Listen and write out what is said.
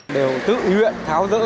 đều tự nguyện tháo rỡ